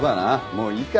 もういいか。